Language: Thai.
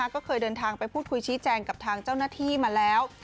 ก็เคยเดินทางไปพูดคุยชี้แจงกับทางเจ้าหน้าที่มาแล้ว